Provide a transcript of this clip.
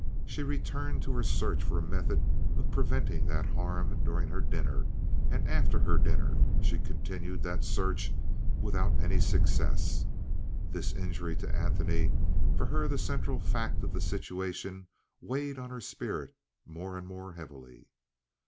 She returned to her search for a method of preventing that harm during her dinner, and after her dinner she continued that search without any success. This injury to Antony, for her the central fact of the situation, weighed on her spirit more and more heavily.